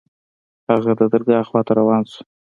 هغه د درګاه خوا ته روان سو.